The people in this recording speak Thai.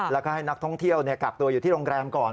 แล้วก็ให้นักท่องเที่ยวกักตัวอยู่ที่โรงแรมก่อน